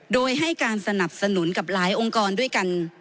โดยให้การสนับสนุนกับหลายองค์กรด้วยกัน